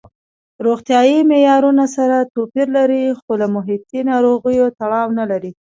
روغتیايي معیارونه سره توپیر لري خو له محیطي ناروغیو تړاو نه لري.